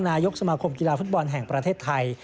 นายกสมาคมกีฬาฟุตบอลแห่งประเทศไทย